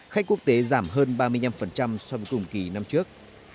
khách quốc tế giảm hơn ba mươi năm so với cùng kỳ năm trước